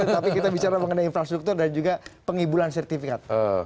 tapi kita bicara mengenai infrastruktur dan juga pengibulan sertifikat